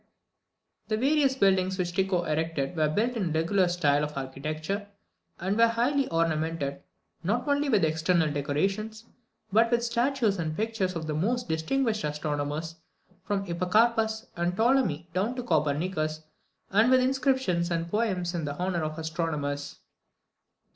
The various buildings which Tycho erected were built in a regular style of architecture, and were highly ornamented, not only with external decorations, but with the statues and pictures of the most distinguished astronomers, from Hipparchus and Ptolemy down to Copernicus, and with inscriptions and poems in honour of astronomers.